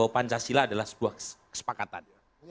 pancasila adalah sebuah kesepakatan